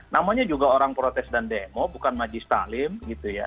namanya juga orang protes dan demo bukan majis talim gitu ya